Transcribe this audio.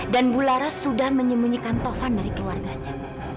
dan bu laras sudah menyembunyikan tovan dari keluarganya